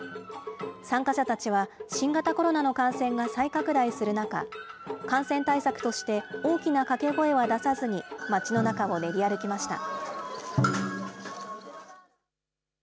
参加者たちは、新型コロナの感染が再拡大する中、感染対策として大きなかけ声は出さずに、町の中を練り歩きました。